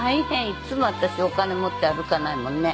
いつも私お金を持って歩かないもんね。